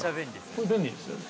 これ、便利ですよね。